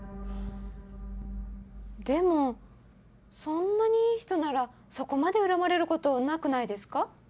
でもそんなにいい人ならそこまで恨まれることなくないですか？